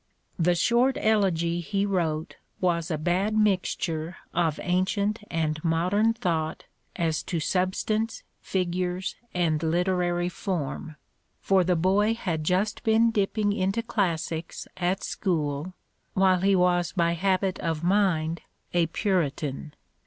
The short elegy he wrote was a bad mixture of ancient and modern thought as to substance, figures, and literary form, for the boy had just been dipping into classics at school, while he was by habit of mind a Puritan.